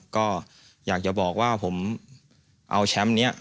ก็อยากจะบอกว่าผมเอาแชมป์นี้